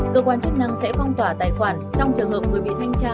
cơ quan chức năng sẽ phong tỏa tài khoản trong trường hợp người bị thanh tra